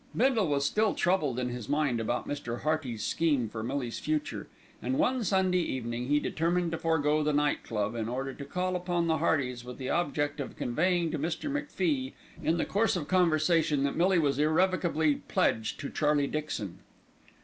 Bindle was still troubled in his mind about Mr. Hearty's scheme for Millie's future and, one Sunday evening, he determined to forgo the Night Club, in order to call upon the Heartys with the object of conveying to Mr. MacFie in the course of conversation that Millie was irrevocably pledged to Charlie Dixon.